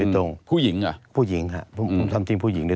ตั้งแต่ปี๒๕๓๙๒๕๔๘